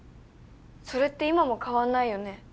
それって今も変わんないよね。